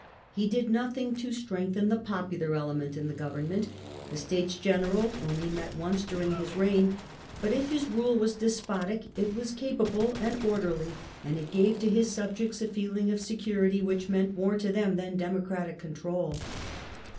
He did nothing to strengthen the popular element in the government, the States General only met once during his reign, but if his rule was despotic, it was capable and orderly and it gave to his subjects a feeling of security which meant more to them than democratic control.